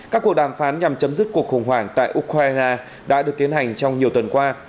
các cuộc đàm phán nhằm chấm dứt cuộc khủng hoảng tại ukraine đã được tiến hành trong nhiều tuần qua